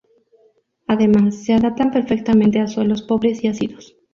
Además, se adaptan perfectamente a suelos pobres y ácidos.